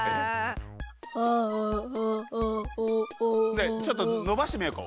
ねえちょっとのばしてみようか。